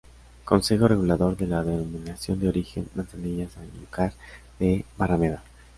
Consejo Regulador de la Denominación de Origen Manzanilla-Sanlúcar de Barrameda.